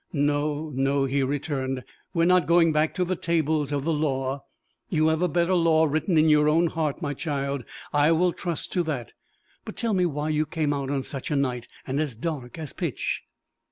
"No, no," he returned; "we are not going back to the tables of the law! You have a better law written in your heart, my child; I will trust to that. But tell me why you came out on such a night and as dark as pitch."